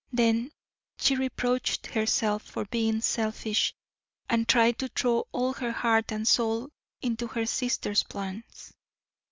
Then she reproached herself for being selfish, and tried to throw all her heart and soul into her sister's plans.